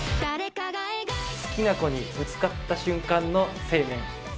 好きな子にぶつかった瞬間の青年。